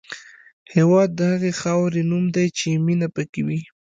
هېواد د هغې خاورې نوم دی چې مینه پکې وي.